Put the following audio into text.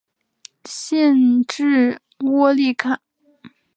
县治窝利卡。